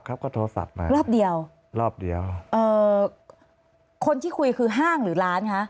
เขาก็โทรศัพท์ไปรอบเดียวรอบเดียวเอ่อคนที่คุยคือห้างหรือร้านคะ